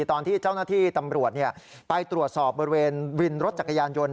ตอนที่เจ้าหน้าที่ตำรวจไปตรวจสอบบริเวณวินรถจักรยานยนต์